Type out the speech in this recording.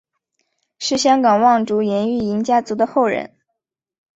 是香港望族颜玉莹家族的后人。